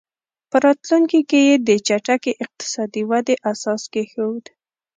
په راتلونکي کې یې د چټکې اقتصادي ودې اساس کېښود.